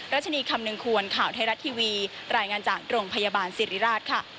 รัชนีคำนึงควรข่าวไทยรัฐทีวีรายงานจากโรงพยาบาลสิริราชค่ะ